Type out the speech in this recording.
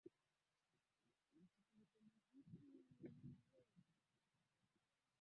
Uwe na siku njema